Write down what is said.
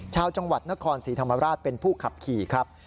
ชาวจังหวัดนครศรีธรรมราชเป็นผู้ขับขี่ครับ